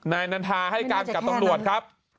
นายนันทาให้การกับตำรวจครับ